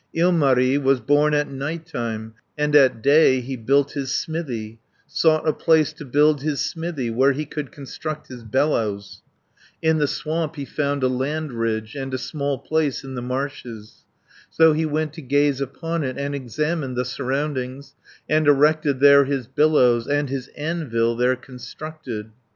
"Ilmari was born at night time, And at day he built his smithy, Sought a place to build his smithy, Where he could construct his bellows, In the swamp he found a land ridge, And a small place in the marshes, So he went to gaze upon it, And examined the surroundings, 120 And erected there his bellows, And his anvil there constructed.